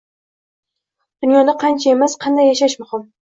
Dunyoda qancha emas, qanday yashash muhim.